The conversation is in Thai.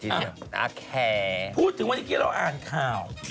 พี่ปุ้ยลูกโตแล้ว